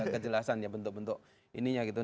kejelasan ya bentuk bentuk ininya gitu